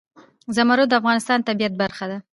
زمرد د افغانستان د طبیعت برخه ده.